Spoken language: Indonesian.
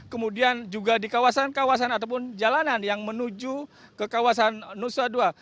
kemudian juga di kawasan kawasan ataupun jalanan yang menuju ke kawasan nusa dua